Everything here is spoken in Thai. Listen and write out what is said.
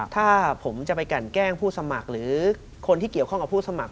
ถ้าผมจะไปกันแกล้งผู้สมัครหรือคนที่เกี่ยวข้องกับผู้สมัคร